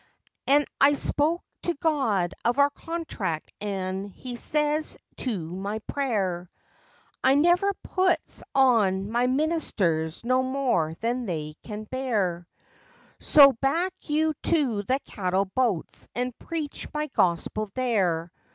An' I spoke to God of our Contract, an' He says to my prayer: "I never puts on My ministers no more than they can bear. So back you go to the cattle boats an' preach My Gospel there.